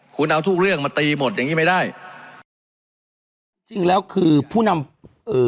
คุณเอาทุกเรื่องมาตีหมดอย่างงี้ไม่ได้จริงแล้วคือผู้นำเอ่อ